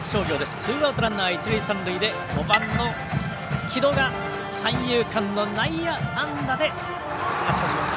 ツーアウトランナー、一塁三塁で５番の城戸が三遊間の内野安打で勝ち越しました。